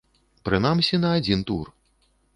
Прынамсі, на адзін тур.